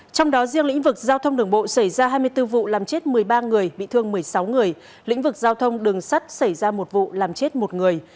trong đó riêng lĩnh vực giao thông đường bộ xảy ra hai mươi bốn vụ làm chết một mươi ba người bị thương một mươi sáu người lĩnh vực giao thông đường sắt xảy ra một vụ làm chết một người